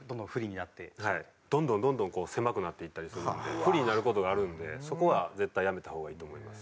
どんどんどんどん狭くなっていったりするんで不利になる事があるんでそこは絶対やめた方がいいと思います。